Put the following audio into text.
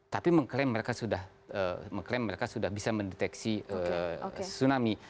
tapi mengklaim mereka sudah bisa mendeteksi tsunami